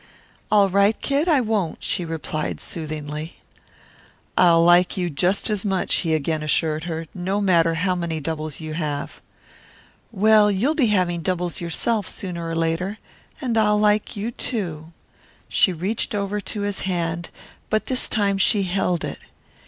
"All right, Kid. I won't," she replied soothingly. "I'll like you just as much," he again assured her, "no matter how many doubles you have." "Well, you'll be having doubles yourself, sooner or later and I'll like you, too." She reached over to his hand, but this time she held it.